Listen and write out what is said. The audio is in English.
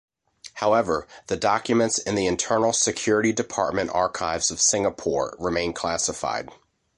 However, the documents in the Internal Security Department archives of Singapore remain classified.